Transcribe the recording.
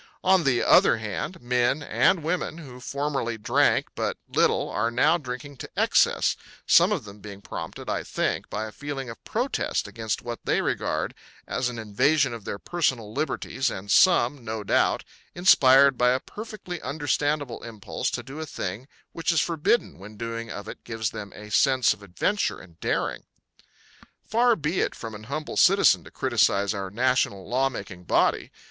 On the other hand, men and women who formerly drank but little are now drinking to excess, some of them being prompted, I think, by a feeling of protest against what they regard as an invasion of their personal liberties and some, no doubt, inspired by a perfectly understandable impulse to do a thing which is forbidden when the doing of it gives them a sense of adventure and daring. Far be it from an humble citizen to criticise our national law making body.